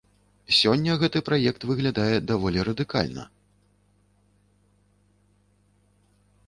Сёння гэты праект выглядае даволі радыкальна.